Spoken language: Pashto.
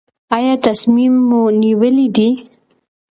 ایا تصمیم مو نیولی دی؟